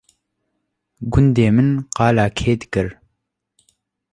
gundê min qala kê dikir